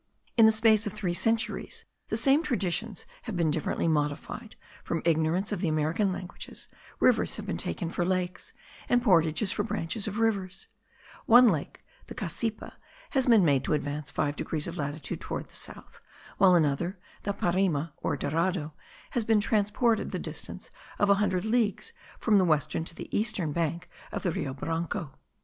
In the space of three centuries, the same traditions have been differently modified; from ignorance of the American languages, rivers have been taken for lakes, and portages for branches of rivers; one lake, the Cassipa, has been made to advance five degrees of latitude toward the south, while another, the Parima or Dorado, has been transported the distance of a hundred leagues from the western to the eastern bank of the Rio Branco.